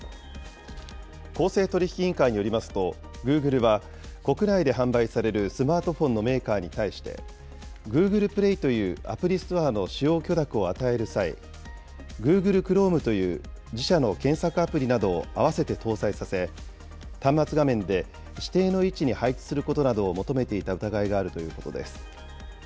公正取引委員会によりますと、グーグルは国内で販売されるスマートフォンのメーカーに対して、ＧｏｏｇｌｅＰｌａｙというアプリストアの使用許諾を与える際、ＧｏｏｇｌｅＣｈｒｏｍｅという自社の検索アプリなどを合わせて搭載させ、端末画面で指定の位置に配置することなどを求めていた疑いがあるということです。